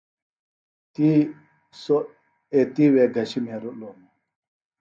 تی سوۡ ایتوے گھشیۡ مھیرِلوۡ ہِنوۡ